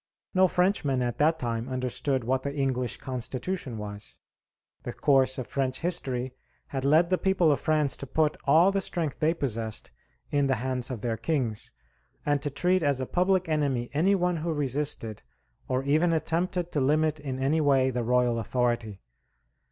No Frenchman at that time understood what the English Constitution was. The course of French history had led the people of France to put all the strength they possessed in the hands of their kings, and to treat as a public enemy any one who resisted, or even attempted to limit in any way, the royal authority.